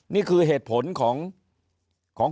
นี่คือเหตุผลของ